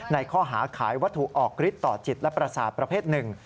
ในข้อหาขายวัตถุออกฤทธิต่อจิตและประสาทประเภทหนึ่ง